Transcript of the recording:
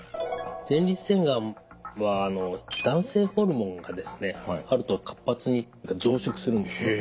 前立腺がんは男性ホルモンがあると活発に増殖するんです。